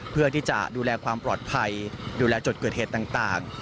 เพื่อที่จะดูแลความปลอดภัยดูแลจุดเกิดเหตุต่าง